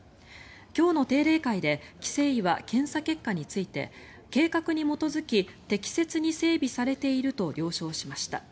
今日の定例会で規制委は検査結果について計画に基づき適切に整備されていると了承しました。